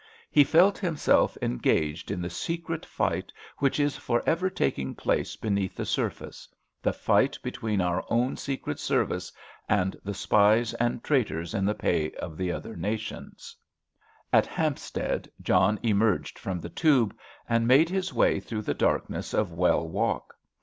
He felt himself engaged in the secret fight which is for ever taking place beneath the surface—the fight between our own secret service and the spies and traitors in the pay of the other nations. At Hampstead, John emerged from the Tube and made his way through the darkness of Well Walk.